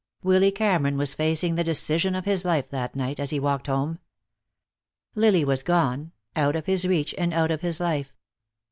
Willy Cameron was facing the decision of his life that night, as he walked home. Lily was gone, out of his reach and out of his life.